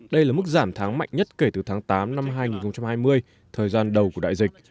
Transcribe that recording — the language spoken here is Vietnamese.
đây là mức giảm tháng mạnh nhất kể từ tháng tám năm hai nghìn hai mươi thời gian đầu của đại dịch